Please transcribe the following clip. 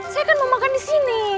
saya kan mau makan di sini